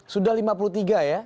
sudah lima puluh tiga ya